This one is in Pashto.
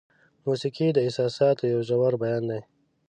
موسیقي د احساساتو یو ژور بیان دی.